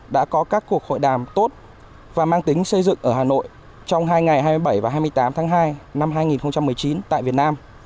đã có các cuộc hội đàm tốt và mang tính xây dựng ở hà nội trong hai ngày hai mươi bảy và hai mươi tám tháng hai năm hai nghìn một mươi chín tại việt nam